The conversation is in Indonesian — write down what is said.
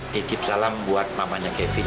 titip salam buat mamanya kevi